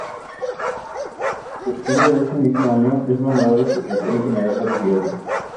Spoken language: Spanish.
En septiembre de ese mismo año, es nombrado Secretario General de Gobierno.